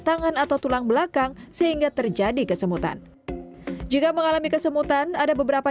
tangan atau tulang belakang sehingga terjadi kesemutan jika mengalami kesemutan ada beberapa